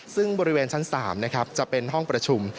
ซึ่งบริเวณชั้น๓นะครับจะเป็นห้องประชุม